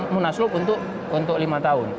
munaslup untuk lima tahun